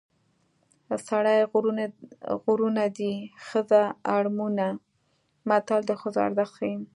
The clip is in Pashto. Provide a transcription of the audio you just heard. سړي غرونه دي ښځې اړمونه متل د ښځو ارزښت ښيي